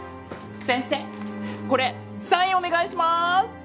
先生これサインお願いします。